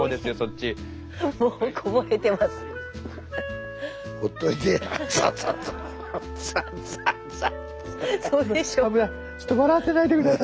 ちょっと笑わせないで下さい。